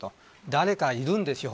誰かいるんですよ